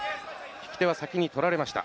引き手は先に取られました。